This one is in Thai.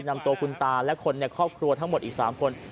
นำตัวคุณตาและคนในครอบครัวทั้งหมดอีก๓คน